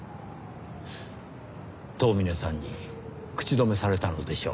遠峰さんに口止めされたのでしょう。